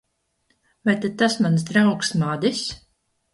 Vai tad tas mans draugs, Madis?